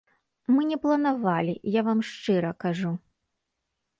Мы не планавалі, я вам шчыра кажу.